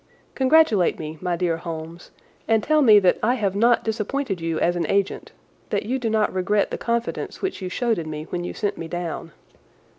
Congratulate me, my dear Holmes, and tell me that I have not disappointed you as an agent—that you do not regret the confidence which you showed in me when you sent me down.